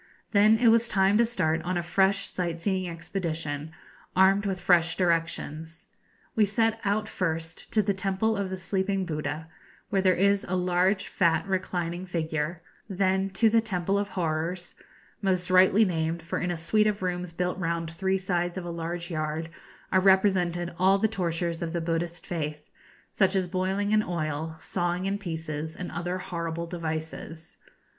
Then it was time to start on a fresh sight seeing expedition, armed with fresh directions. We set out first to the Temple of the Sleeping Buddha, where there is a large, fat, reclining figure; then to the Temple of Horrors most rightly named, for in a suite of rooms built round three sides of a large yard are represented all the tortures of the Buddhist faith, such as boiling in oil, sawing in pieces, and other horrible devices.